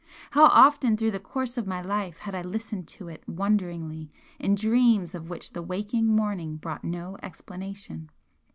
How often through the course of my life had I listened to it wonderingly in dreams of which the waking morning brought no explanation!